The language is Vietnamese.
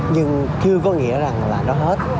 nhưng chưa có nghĩa rằng là nó hết